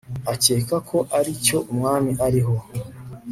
akeka ko ari cyo umwami ariho